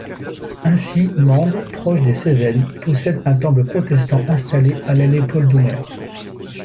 Ainsi Mende, proche des Cévennes, possède un temple protestant installé à l'allée Paul-Doumer.